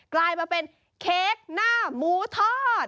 กลายมาเป็นเค้กหน้าหมูทอด